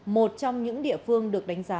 một trong những địa phương được đánh giá